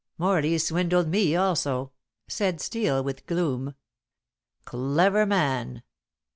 "Morley swindled me also," said Steel, with gloom. "Clever man!"